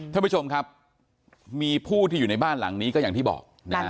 ท่านผู้ชมครับมีผู้ที่อยู่ในบ้านหลังนี้ก็อย่างที่บอกนะฮะ